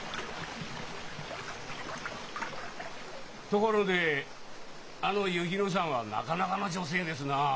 ところであの薫乃さんはなかなかの女性ですなあ。